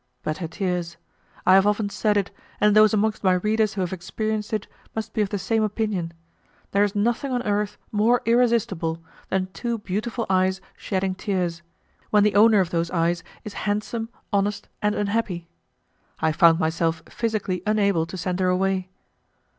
But her tears! I have often said it, and those amongst my readers who have experienced it, must be of the same opinion; there is nothing on earth more irresistible than two beautiful eyes shedding tears, when the owner of those eyes is handsome, honest, and unhappy. I found myself physically unable to send her away.